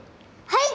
はい！